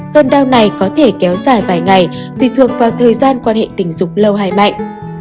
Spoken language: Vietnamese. cơn đau này có thể kéo dài vài ngày vì thường vào thời gian quan hệ tình dục lâu hay mạnh